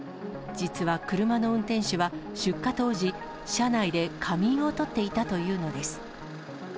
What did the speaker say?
実は車の運転手は、出火当時、車内で仮眠を取っていたというのです。